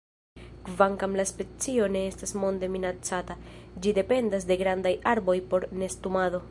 Kvankam la specio ne estas monde minacata, ĝi dependas de grandaj arboj por nestumado.